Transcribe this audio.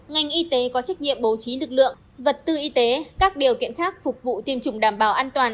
ngành y tế có trách nhiệm bố trí lực lượng vật tư y tế các điều kiện khác phục vụ tiêm chủng đảm bảo an toàn